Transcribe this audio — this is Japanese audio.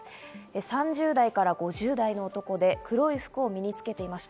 ３０代から５０代の男で黒い服を身につけていました。